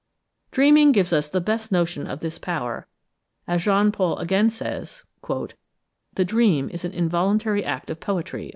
Dreaming gives us the best notion of this power; as Jean Paul again says, "The dream is an involuntary art of poetry."